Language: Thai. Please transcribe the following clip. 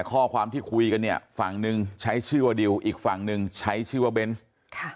ข้อความที่คุยกันเนี่ยฝั่งหนึ่งใช้ชื่อว่าดิวอีกฝั่งหนึ่งใช้ชื่อว่าเบนส์ค่ะ